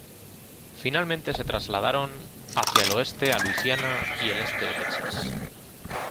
Finalmente se trasladaron hacia el oeste a Luisiana y el este de Texas.